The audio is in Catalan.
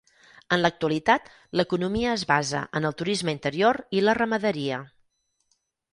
En l'actualitat l'economia es basa en el turisme interior i la ramaderia.